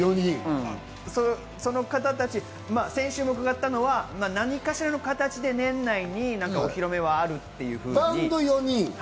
その方たち、先週も伺ったのは何かしらの形で年内にお披露目はあるっていうふうに。